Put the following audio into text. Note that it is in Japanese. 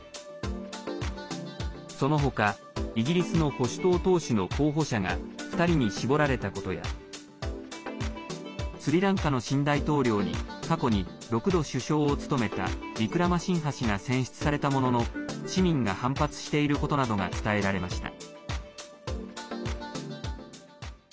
そのほか、イギリスの保守党党首の候補者が２人に絞られたことやスリランカの新大統領に過去に６度首相を務めたウィクラマシンハ氏が選出されたものの市民が反発していることなどが伝えられました。